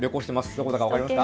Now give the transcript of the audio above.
どこか分かりますか。